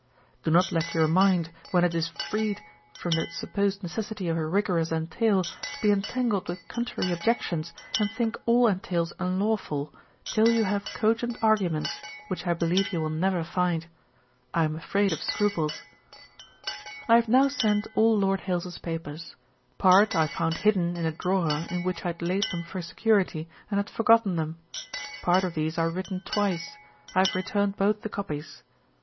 Do not let your mind, when it is freed from the supposed necessity of a rigorous entail, be entangled with contrary objections, and think all entails unlawful, till you have cogent arguments, which I believe you will never find. I am afraid of scruples. 'I have now sent all Lord Hailes's papers; part I found hidden in a drawer in which I had laid them for security, and had forgotten them. Part of these are written twice: I have returned both the copies.